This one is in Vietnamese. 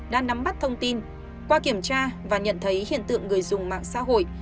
đã nắm bắt thông tin qua kiểm tra và nhận thấy hiện tượng người dùng mạng xã hội